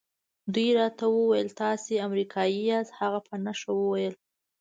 دوی راته وویل تاسي امریکایی یاست. هغه په نښه وویل.